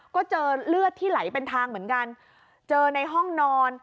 ก็เจอเลือดที่ไหลเป็นทางเหมือนกันเจอในห้องนอน